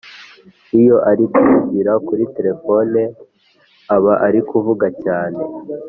iyo ari kuvugira kuri tekefone aba ari kuvuga cyane